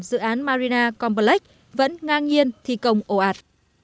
dự án marina complex vẫn ngang nhiên thi công ồ ạt